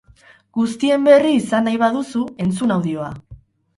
Guztien berri izan nahi baduzu, entzun audioa.